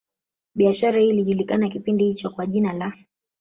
Biashara hii ilijulikana kipindi hicho kwa jina la